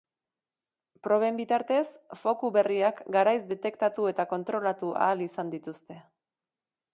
Proben bitartez, foku berriak garaiz detektatu eta kontrolatu ahal izan dituzte.